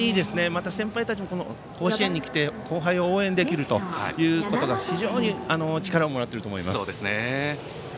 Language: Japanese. また先輩たちも甲子園に来て後輩を応援できるということで力をもらっていると思います。